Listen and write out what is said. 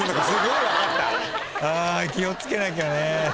気を付けなきゃね。